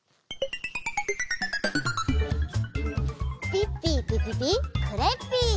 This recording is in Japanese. ピッピーピピピクレッピー！